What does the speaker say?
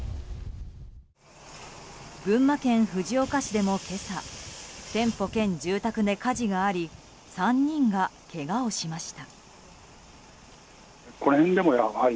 群馬県藤岡市でも今朝、店舗兼住宅で火事があり３人がけがをしました。